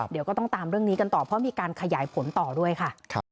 เดี๋ยวก็ต้องตามเรื่องนี้กันต่อเพราะมีการขยายผลต่อด้วยค่ะ